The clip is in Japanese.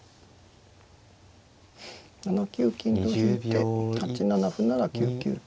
７九金と引いて８七歩なら９九香